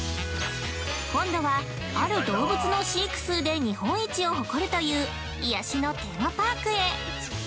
◆今度は、ある動物の飼育数で日本一を誇るという、癒やしのテーマパークへ。